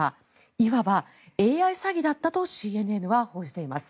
いわばＡＩ詐欺だったとＣＮＮは報じています。